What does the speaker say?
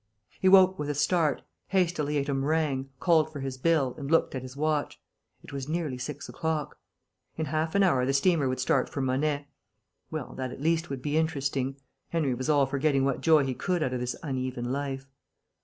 He woke with a start, hastily ate a meringue, called for his bill, and looked at his watch. It was nearly six o'clock. In half an hour the steamer would start for Monet. Well, that at least would be interesting. Henry was all for getting what joy he could out of this uneven life.